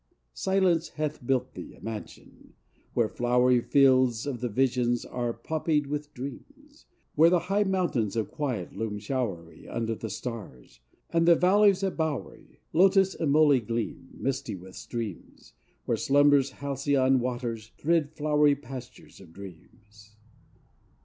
Silence hath built thee a mansion, where flowery Fields of the visions are poppied with dreams; Where the high mountains of quiet loom showery Under the stars; and the valleys of bowery Lotus and moly gleam, misty with streams: Where slumber's halcyon waters thrid flowery Pastures of dreams.